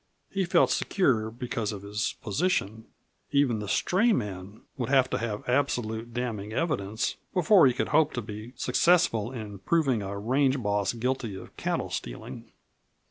He felt secure because of his position. Even the stray man would have to have absolute, damning evidence before he could hope to be successful in proving a range boss guilty of cattle stealing.